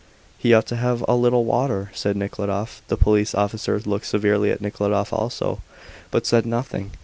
"He ought to have a little water," said Nekhludoff. The police officer looked severely at Nekhludoff also, but said nothing.